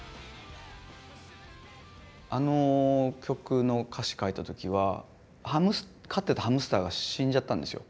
あの曲の歌詞書いた時は飼ってたハムスターが死んじゃったんですよ。